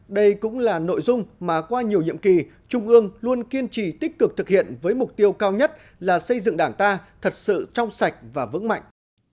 đây cũng là nội dung mà qua nhiều nhiệm kỳ trung ương luôn kiên trì tích cực thực hiện với mục tiêu cao nhất là xây dựng đảng ta thật sự trong sạch và vững mạnh